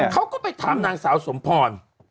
เขาก็ไปถามนางสาวสมพร